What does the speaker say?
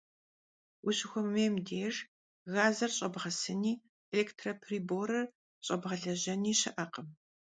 Vuşıxuemêym dêjj, gazır ş'ebğesıni, elêktro - priborır ş'ebğelejeni şı'ekhım.